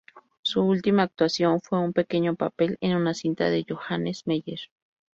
Su última actuación fue un pequeño papel en una cinta de Johannes Meyer.